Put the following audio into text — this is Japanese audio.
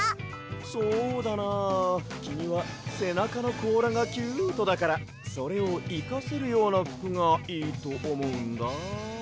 そうだなきみはせなかのこうらがキュートだからそれをいかせるようなふくがいいとおもうんだ。